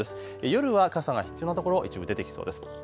夜は傘が必要なところ一部出てきそうです。